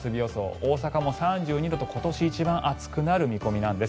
大阪も３２度と今年一番暑くなる見込みなんです。